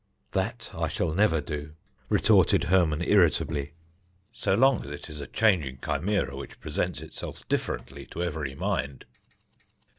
"That I shall never do," retorted Hermon irritably, "so long as it is a changing chimera which presents itself differently to every mind."